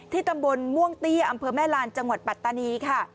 ตำบลม่วงเตี้ยอำเภอแม่ลานจังหวัดปัตตานีค่ะ